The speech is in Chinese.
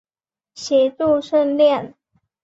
协助训练。